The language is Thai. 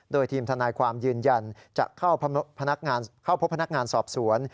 โดยทีมทนายความยืนยันจะเข้าพบพนักงานสอบสวน